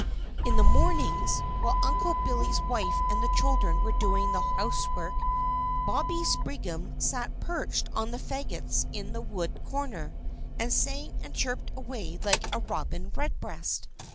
In the mornings, while Uncle Billy's wife and the children were doing the housework, Bobby Spriggan sat perched on the faggots in the wood corner, and sang and chirped away like a Robin Redbreast.